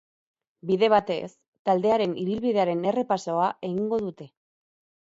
Bide batez, taldearen ibilbidearen errepasoa egingo dute.